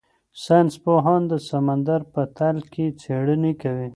ساینس پوهان د سمندر په تل کې څېړنې کوي.